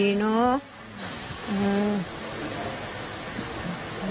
ก็ต้องทำให้ด้วยดีเนอะ